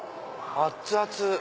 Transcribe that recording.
熱々！